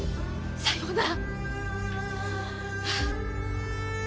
さようなら！